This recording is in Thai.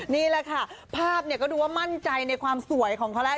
นี่แหละค่ะภาพเนี่ยก็ดูว่ามั่นใจในความสวยของเขาแล้ว